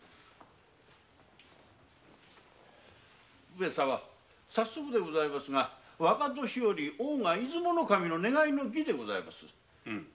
上様早速でございますが若年寄・大賀出雲守の願いの儀でございます。